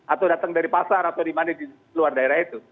atau datang dari pasar atau dimana di luar daerah itu